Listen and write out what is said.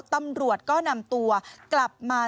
ตำรวจก็นำตัวกลับมา